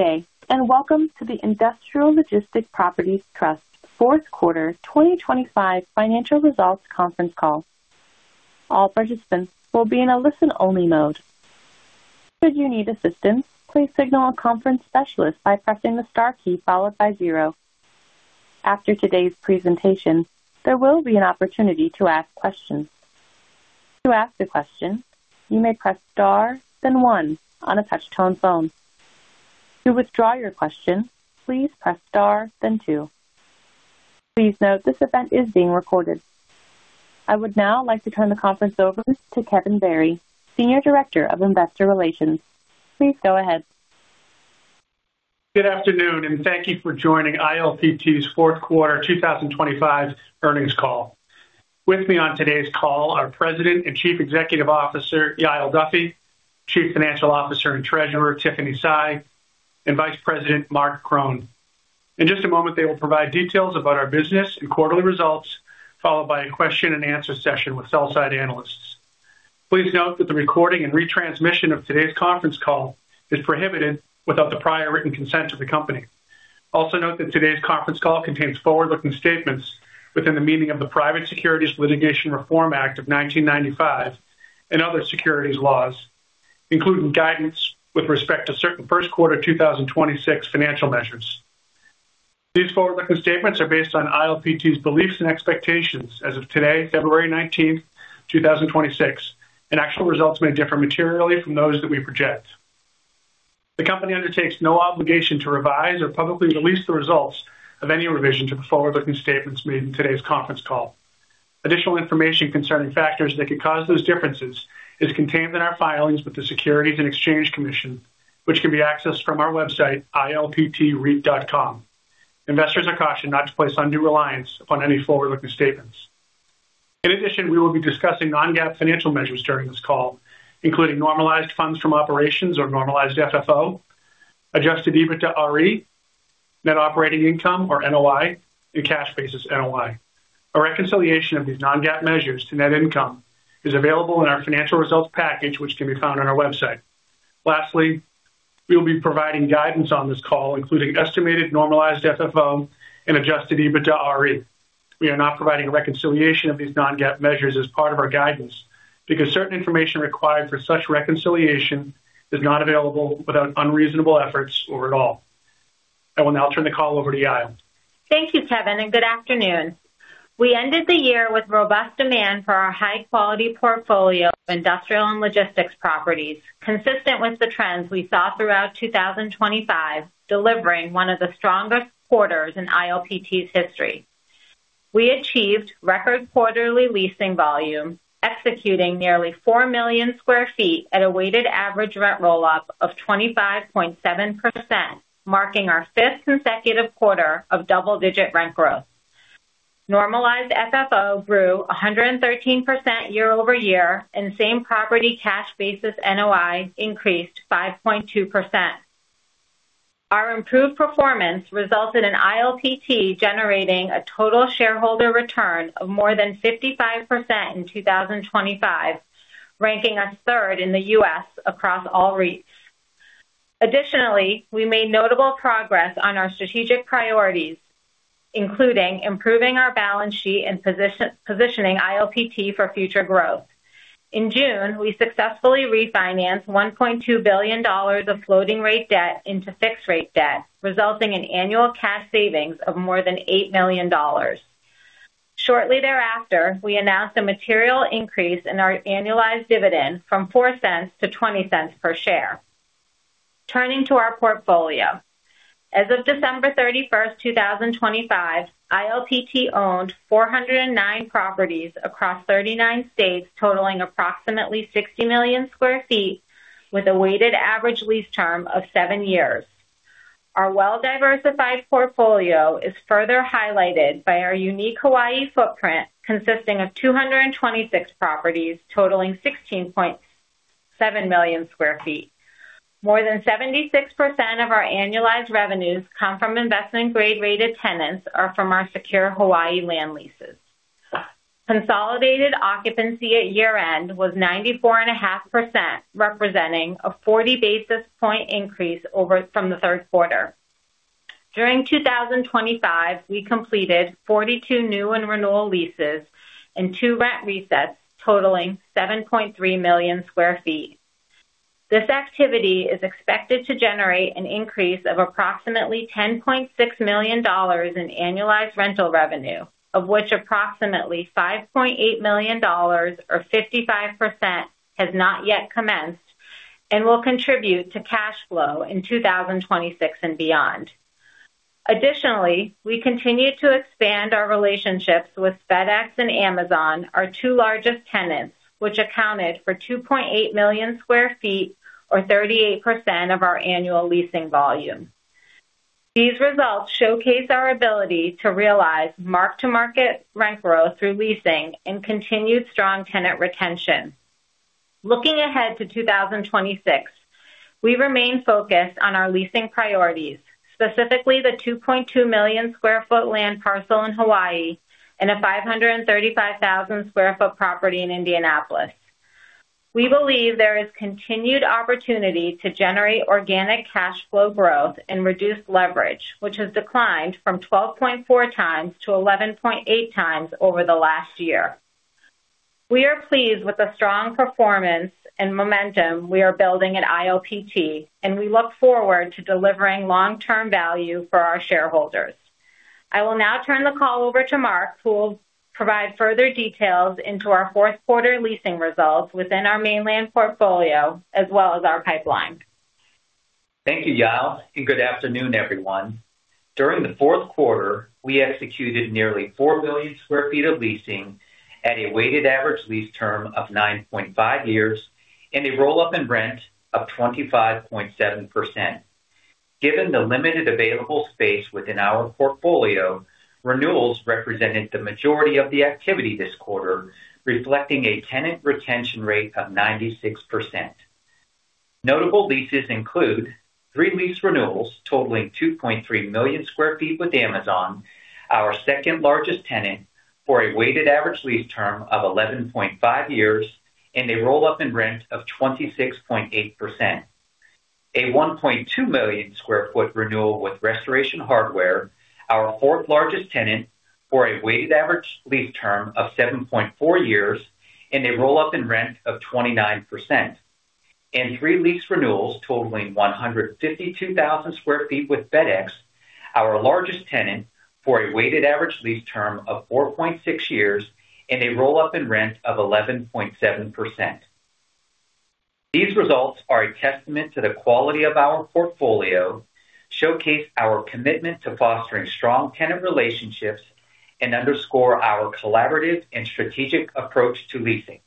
Good day, and welcome to the Industrial Logistics Properties Trust Q4 2025 Financial Results Conference Call. All participants will be in a listen-only mode. Should you need assistance, please signal a conference specialist by pressing the star key followed by zero. After today's presentation, there will be an opportunity to ask questions. To ask a question, you may press Star, then one on a touch-tone phone. To withdraw your question, please press Star then two. Please note, this event is being recorded. I would now like to turn the conference over to Kevin Barry, Senior Director of Investor Relations. Please go ahead. Good afternoon, and thank you for joining ILPT's Q4 2025 Earnings call. With me on today's call are President and Chief Executive Officer, Yael Duffy, Chief Financial Officer and Treasurer, Tiffany Sy, and Vice President, Marc Krohn. In just a moment, they will provide details about our business and quarterly results, followed by a question and answer session with sell-side analysts. Please note that the recording and retransmission of today's conference call is prohibited without the prior written consent of the company. Also, note that today's conference call contains forward-looking statements within the meaning of the Private Securities Litigation Reform Act of 1995 and other securities laws, including guidance with respect to certain Q1 2026 financial measures. These forward-looking statements are based on ILPT's beliefs and expectations as of today, February 19, 2026, and actual results may differ materially from those that we project. The company undertakes no obligation to revise or publicly release the results of any revision to the forward-looking statements made in today's conference call. Additional information concerning factors that could cause those differences is contained in our filings with the Securities and Exchange Commission, which can be accessed from our website, ilptreit.com. Investors are cautioned not to place undue reliance upon any forward-looking statements. In addition, we will be discussing non-GAAP financial measures during this call, including normalized funds from operations or normalized FFO, Adjusted EBITDA, Net Operating Income or NOI, and cash basis NOI. A reconciliation of these non-GAAP measures to net income is available in our financial results package, which can be found on our website. Lastly, we will be providing guidance on this call, including estimated normalized FFO and Adjusted EBITDA. We are not providing a reconciliation of these non-GAAP measures as part of our guidance because certain information required for such reconciliation is not available without unreasonable efforts or at all. I will now turn the call over to Yael. Thank you, Kevin, and good afternoon. We ended the year with robust demand for our high-quality portfolio of industrial and logistics properties, consistent with the trends we saw throughout 2025, delivering one of the strongest quarters in ILPT's history. We achieved record quarterly leasing volume, executing nearly 4 million sq ft at a weighted average rent roll-up of 25.7%, marking our fifth consecutive quarter of double-digit rent growth. Normalized FFO grew 113% year-over-year, and same property cash basis NOI increased 5.2%. Our improved performance resulted in ILPT generating a total shareholder return of more than 55% in 2025, ranking us third in the U.S. across all REITs. Additionally, we made notable progress on our strategic priorities, including improving our balance sheet and position, positioning ILPT for future growth. In June, we successfully refinanced $1.2 billion of floating rate debt into fixed rate debt, resulting in annual cash savings of more than $8 million. Shortly thereafter, we announced a material increase in our annualized dividend from $0.04 to $0.20 per share. Turning to our portfolio. As of December 31, 2025, ILPT owned 409 properties across 39 states, totaling approximately 60 million sq ft, with a weighted average lease term of seven years. Our well-diversified portfolio is further highlighted by our unique Hawaii footprint, consisting of 226 properties totaling 16.7 million sq ft. More than 76% of our annualized revenues come from investment grade rated tenants or from our secure Hawaii land leases. Consolidated occupancy at year-end was 94.5%, representing a 40 basis point increase over from the Q3. During 2025, we completed 42 new and renewal leases and two rent resets, totaling 7.3 million sq ft. This activity is expected to generate an increase of approximately $10.6 million in annualized rental revenue, of which approximately $5.8 million or 55%, has not yet commenced and will contribute to cash flow in 2026 and beyond. Additionally, we continue to expand our relationships with FedEx and Amazon, our two largest tenants, which accounted for 2.8 million sq ft or 38% of our annual leasing volume. These results showcase our ability to realize mark-to-market rent growth through leasing and continued strong tenant retention. Looking ahead to 2026, we remain focused on our leasing priorities, specifically the 2.2 million sq ft land parcel in Hawaii and a 535,000 sq ft property in Indianapolis.... We believe there is continued opportunity to generate organic cash flow growth and reduce leverage, which has declined from 12.4x to 11.8x over the last year. We are pleased with the strong performance and momentum we are building at ILPT, and we look forward to delivering long-term value for our shareholders. I will now turn the call over to Marc, who will provide further details into our Q4 leasing results within our mainland portfolio, as well as our pipeline. Thank you, Yael, and good afternoon, everyone. During the Q4, we executed nearly 4 million sq ft of leasing at a weighted average lease term of 9.5 years and a roll-up in rent of 25.7%. Given the limited available space within our portfolio, renewals represented the majority of the activity this quarter, reflecting a tenant retention rate of 96%. Notable leases include three lease renewals totaling 2.3 million sq ft with Amazon, our second-largest tenant, for a weighted average lease term of 11.5 years and a roll-up in rent of 26.8%. A 1.2 million sq ft renewal with Restoration Hardware, our fourth-largest tenant, for a weighted average lease term of 7.4 years, and a roll-up in rent of 29%. And three lease renewals totaling 152,000 sq ft with FedEx, our largest tenant, for a weighted average lease term of 4.6 years and a roll-up in rent of 11.7%. These results are a testament to the quality of our portfolio, showcase our commitment to fostering strong tenant relationships, and underscore our collaborative and strategic approach to leasing.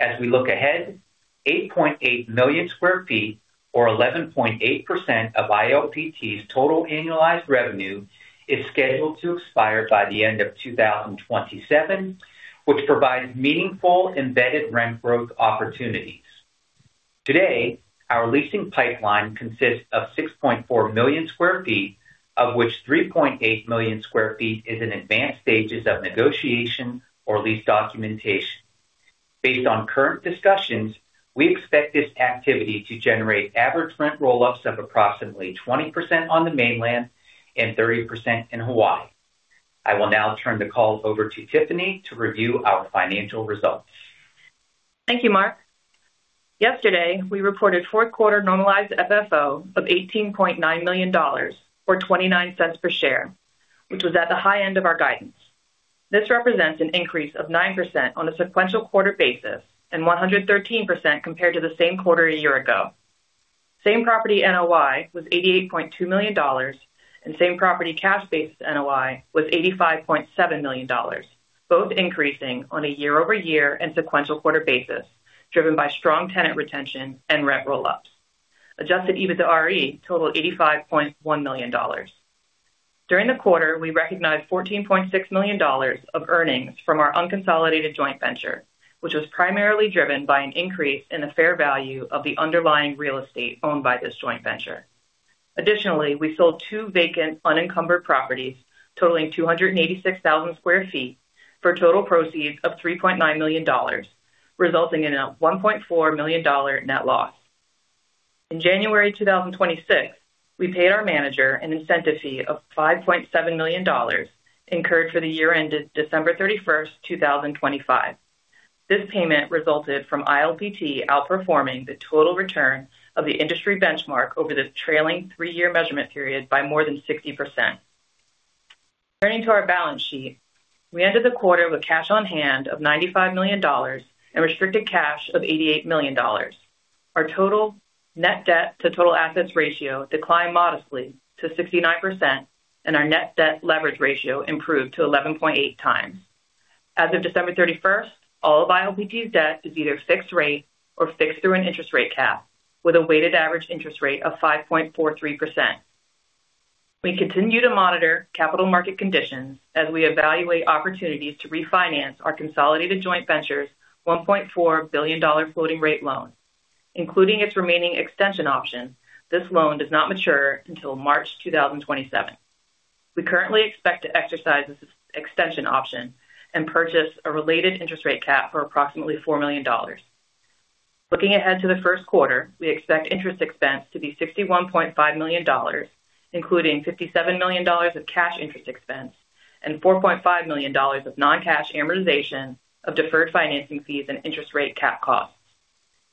As we look ahead, 8.8 million sq ft, or 11.8% of ILPT's total annualized revenue, is scheduled to expire by the end of 2027, which provides meaningful embedded rent growth opportunities. Today, our leasing pipeline consists of 6.4 million sq ft, of which 3.8 million sq ft is in advanced stages of negotiation or lease documentation. Based on current discussions, we expect this activity to generate average rent roll-ups of approximately 20% on the mainland and 30% in Hawaii. I will now turn the call over to Tiffany to review our financial results. Thank you, Marc. Yesterday, we reported Q4 normalized FFO of $18.9 million, or $0.29 per share, which was at the high end of our guidance. This represents an increase of 9% on a sequential quarter basis and 113% compared to the same quarter a year ago. Same property NOI was $88.2 million, and same property cash basis NOI was $85.7 million, both increasing on a year-over-year and sequential quarter basis, driven by strong tenant retention and rent roll-ups. Adjusted EBITDA totaled $85.1 million. During the quarter, we recognized $14.6 million of earnings from our unconsolidated joint venture, which was primarily driven by an increase in the fair value of the underlying real estate owned by this joint venture. Additionally, we sold two vacant, unencumbered properties totaling 286,000 sq ft for total proceeds of $3.9 million, resulting in a $1.4 million net loss. In January 2026, we paid our manager an incentive fee of $5.7 million, incurred for the year ended December 31, 2025. This payment resulted from ILPT outperforming the total return of the industry benchmark over the trailing three-year measurement period by more than 60%. Turning to our balance sheet. We ended the quarter with cash on hand of $95 million and restricted cash of $88 million. Our total net debt to total assets ratio declined modestly to 69%, and our net debt leverage ratio improved to 11.8 times. As of December 31, all of ILPT's debt is either fixed rate or fixed through an interest rate cap, with a weighted average interest rate of 5.43%. We continue to monitor capital market conditions as we evaluate opportunities to refinance our consolidated joint venture's $1.4 billion floating rate loan, including its remaining extension option. This loan does not mature until March 2027. We currently expect to exercise this extension option and purchase a related interest rate cap for approximately $4 million. Looking ahead to the Q1, we expect interest expense to be $61.5 million, including $57 million of cash interest expense and $4.5 million of non-cash amortization of deferred financing fees and interest rate cap costs.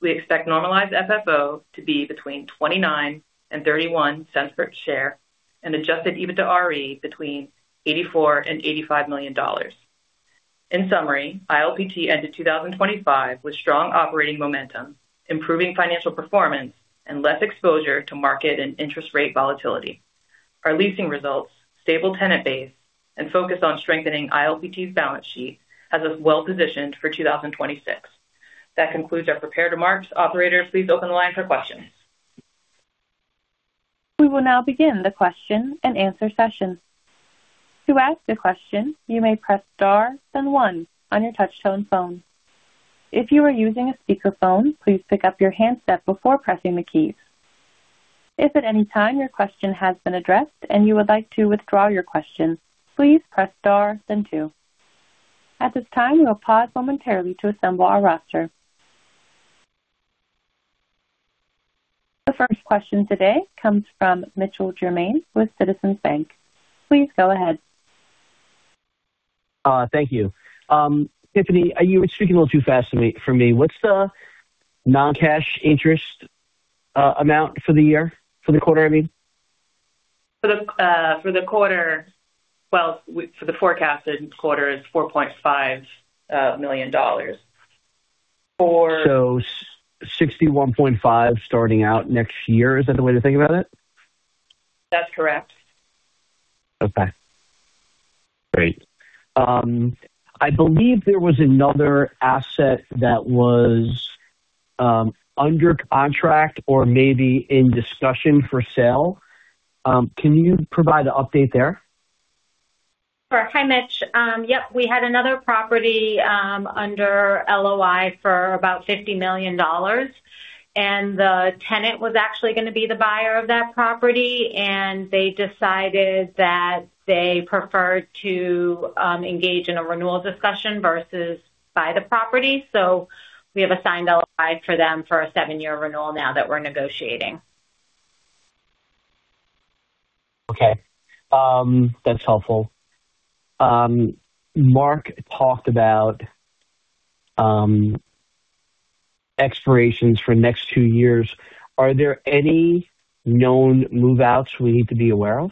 We expect Normalized FFO to be between $0.29-$0.31 per share and Adjusted EBITDA between $84 million-$85 million. In summary, ILPT ended 2025 with strong operating momentum, improving financial performance, and less exposure to market and interest rate volatility. Our leasing results, stable tenant base, and focus on strengthening ILPT's balance sheet has us well positioned for 2026. That concludes our prepared remarks. Operator, please open the line for questions. We will now begin the question and answer session. To ask a question, you may press star, then one on your touch-tone phone. If you are using a speakerphone, please pick up your handset before pressing the keys.... If at any time your question has been addressed and you would like to withdraw your question, please press star then two. At this time, we will pause momentarily to assemble our roster. The first question today comes from Mitchell Germain with Citizens Bank. Please go ahead. Thank you. Tiffany, you were speaking a little too fast for me. What's the non-cash interest amount for the year? For the quarter, I mean. For the quarter... Well, for the forecasted quarter, it's $4.5 million for- 61.5 starting out next year, is that the way to think about it? That's correct. Okay, great. I believe there was another asset that was under contract or maybe in discussion for sale. Can you provide an update there? Sure. Hi, Mitch. Yep, we had another property under LOI for about $50 million, and the tenant was actually gonna be the buyer of that property, and they decided that they preferred to engage in a renewal discussion versus buy the property. So we have a signed LOI for them for a seven-year renewal now that we're negotiating. Okay. That's helpful. Marc talked about expirations for next two years. Are there any known move-outs we need to be aware of?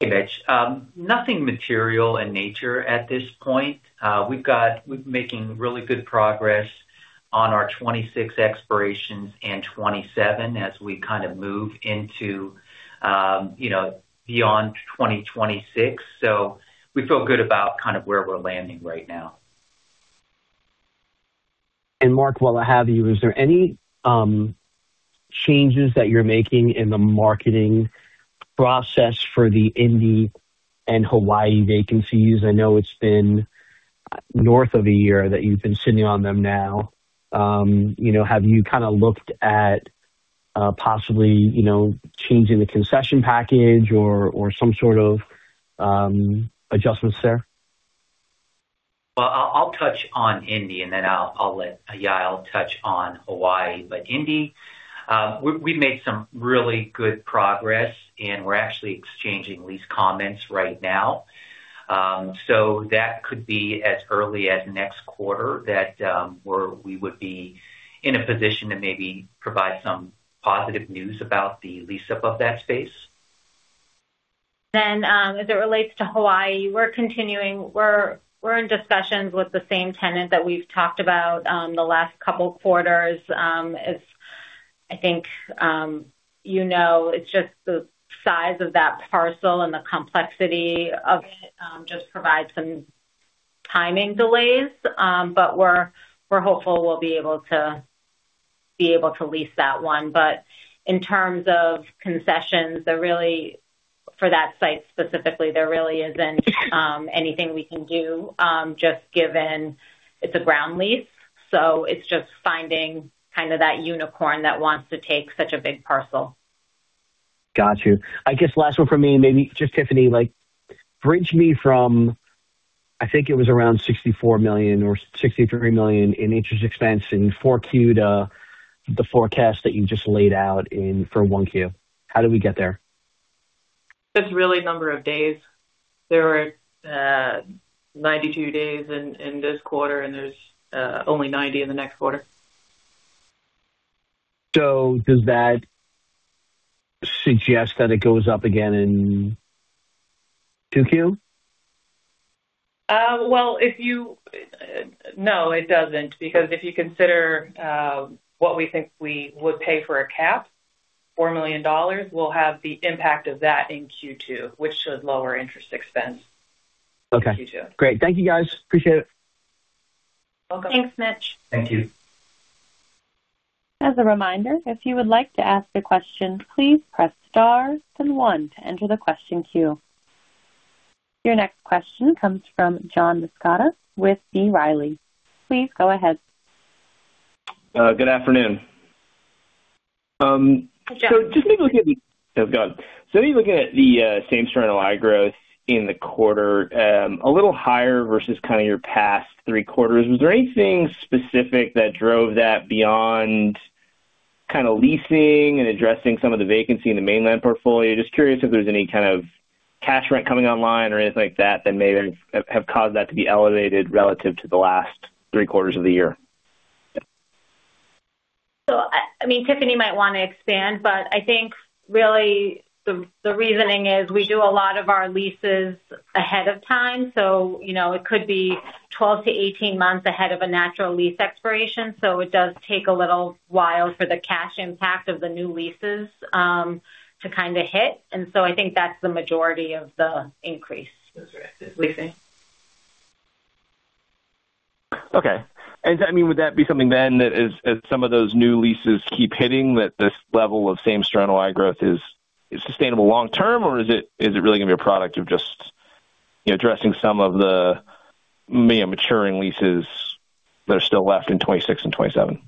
Hey, Mitch. Nothing material in nature at this point. We're making really good progress on our 26 expirations and 27 as we kind of move into, you know, beyond 2026. So we feel good about kind of where we're landing right now. Marc, while I have you, is there any changes that you're making in the marketing process for the Indy and Hawaii vacancies? I know it's been north of a year that you've been sitting on them now. You know, have you kind of looked at possibly, you know, changing the concession package or some sort of adjustments there? Well, I'll touch on Indy, and then I'll let Yael touch on Hawaii. But Indy, we made some really good progress, and we're actually exchanging lease comments right now. So that could be as early as next quarter that we would be in a position to maybe provide some positive news about the lease-up of that space. Then, as it relates to Hawaii, we're continuing. We're in discussions with the same tenant that we've talked about the last couple quarters. As I think, you know, it's just the size of that parcel and the complexity of it just provides some timing delays. But we're hopeful we'll be able to lease that one. But in terms of concessions, there really, for that site specifically, there really isn't anything we can do just given it's a ground lease, so it's just finding kind of that unicorn that wants to take such a big parcel. Got you. I guess last one from me, and maybe just Tiffany, like, bridge me from, I think it was around $64 million or $63 million in interest expense in Q4 to the forecast that you just laid out in, for Q1. How did we get there? It's really number of days. There were 92 days in this quarter, and there's only 90 in the next quarter. Does that suggest that it goes up again in 2Q? Well, if you... No, it doesn't, because if you consider what we think we would pay for a cap, $4 million, we'll have the impact of that in Q2, which should lower interest expense- Okay. Q2. Great. Thank you, guys. Appreciate it. Welcome. Thanks, Mitch. Thank you. As a reminder, if you would like to ask a question, please press star then one to enter the question queue. Your next question comes from John Massocca with B. Riley. Please go ahead. Good afternoon. Hi, John. So looking at the same store NOI growth in the quarter, a little higher versus kind of your past three quarters, was there anything specific that drove that beyond kind of leasing and addressing some of the vacancy in the mainland portfolio? Just curious if there's any kind of cash rent coming online or anything like that, that may have caused that to be elevated relative to the last three quarters of the year? So, I mean, Tiffany might want to expand, but I think really the reasoning is we do a lot of our leases ahead of time, so, you know, it could be 12-18 months ahead of a natural lease expiration. So it does take a little while for the cash impact of the new leases to kind of hit. And so I think that's the majority of the increase. That's right, the leasing. Okay. And, I mean, would that be something then that as some of those new leases keep hitting, that this level of same store NOI growth is sustainable long term, or is it really going to be a product of just... You know, addressing some of the maybe maturing leases that are still left in 2026 and 2027?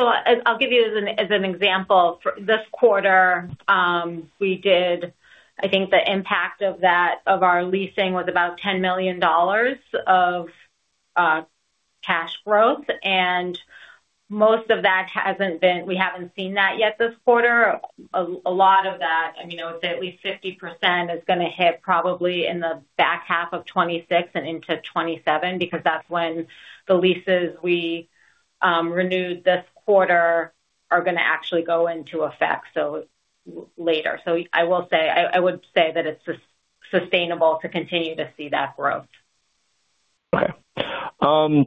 So I'll give you as an example. For this quarter, we did. I think the impact of that, of our leasing was about $10 million of cash growth, and most of that hasn't been. We haven't seen that yet this quarter. A lot of that, I mean, you know, at least 50% is gonna hit probably in the back half of 2026 and into 2027, because that's when the leases we renewed this quarter are gonna actually go into effect, so later. So I will say, I would say that it's sustainable to continue to see that growth. Okay. And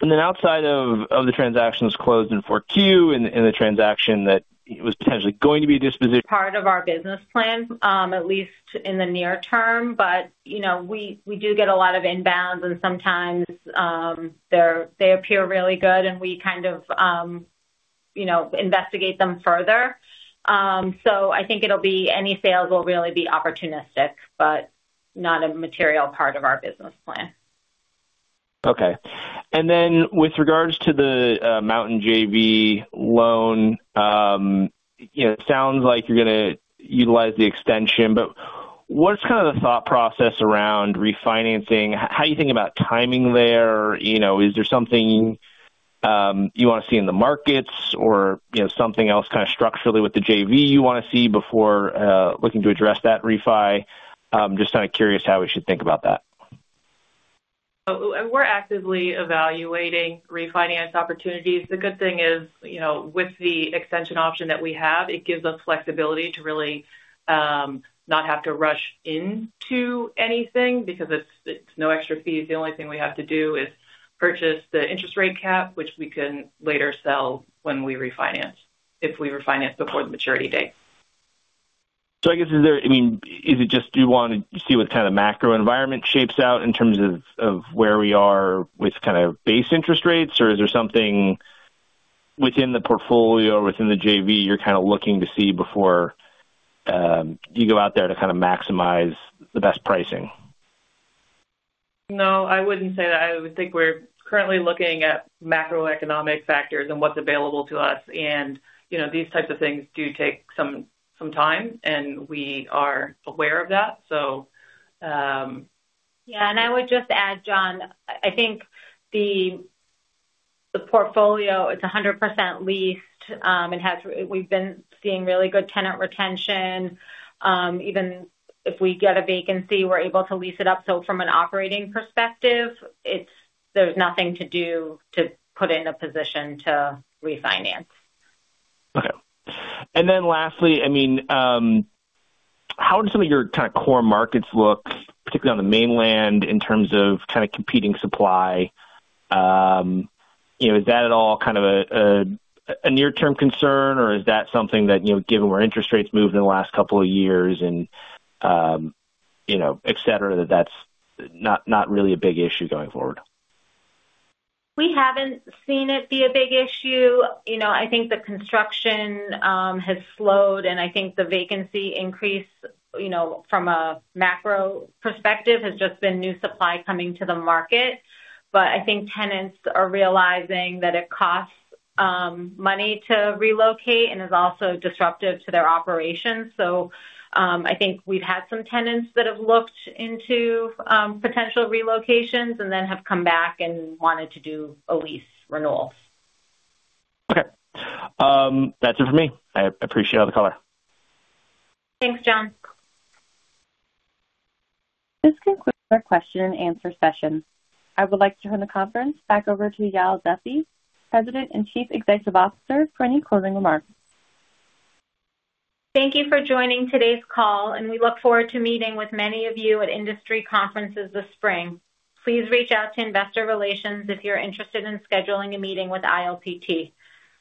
then outside of the transactions closed in Q4 and the transaction that was potentially going to be disposition- Part of our business plan, at least in the near term. But, you know, we, we do get a lot of inbounds and sometimes, they're, they appear really good, and we kind of, you know, investigate them further. So I think it'll be any sales will really be opportunistic, but not a material part of our business plan. Okay. And then with regards to the Monmouth JV loan, you know, it sounds like you're gonna utilize the extension. But what's kind of the thought process around refinancing? How are you thinking about timing there? You know, is there something you want to see in the markets or, you know, something else kind of structurally with the JV you want to see before looking to address that refi? Just kind of curious how we should think about that. We're actively evaluating refinance opportunities. The good thing is, you know, with the extension option that we have, it gives us flexibility to really, not have to rush into anything because it's no extra fees. The only thing we have to do is purchase the Interest Rate Cap, which we can later sell when we refinance, if we refinance before the maturity date. So I guess, I mean, is it just do you want to see what kind of macro environment shapes out in terms of, of where we are with kind of base interest rates? Or is there something within the portfolio or within the JV you're kind of looking to see before you go out there to kind of maximize the best pricing? No, I wouldn't say that. I would think we're currently looking at macroeconomic factors and what's available to us. And, you know, these types of things do take some time, and we are aware of that. So, Yeah, I would just add, John, I think the portfolio is 100% leased. We've been seeing really good tenant retention. Even if we get a vacancy, we're able to lease it up. From an operating perspective, there's nothing to do to put in a position to refinance. Okay. Lastly, I mean, how do some of your kind of core markets look, particularly on the mainland, in terms of kind of competing supply? You know, is that at all kind of a near-term concern, or is that something that, you know, given where interest rates moved in the last couple of years and, you know, et cetera, that that's not, not really a big issue going forward? We haven't seen it be a big issue. You know, I think the construction has slowed, and I think the vacancy increase, you know, from a macro perspective, has just been new supply coming to the market. But I think tenants are realizing that it costs money to relocate and is also disruptive to their operations. So, I think we've had some tenants that have looked into potential relocations and then have come back and wanted to do a lease renewal. Okay. That's it for me. I appreciate all the color. Thanks, John. This concludes our question and answer session. I would like to turn the conference back over to Yael Duffy, President and Chief Executive Officer, for any closing remarks. Thank you for joining today's call, and we look forward to meeting with many of you at industry conferences this spring. Please reach out to Investor Relations if you're interested in scheduling a meeting with ILPT.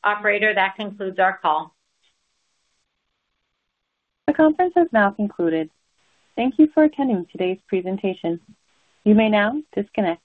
Operator, that concludes our call. The conference is now concluded. Thank you for attending today's presentation. You may now disconnect.